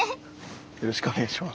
よろしくお願いします。